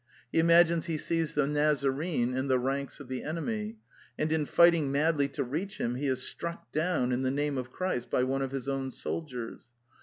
He imagines he sees the Nazarene in the ranks of the enemy; and in fight ing madly to reach him he is struck down, in the name of Christ, by one of his own soldiers.